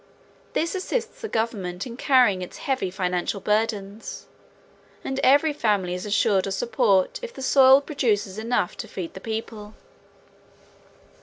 This assists the government in carrying its heavy financial burdens, and every family is assured of support if the soil produces enough to feed the people.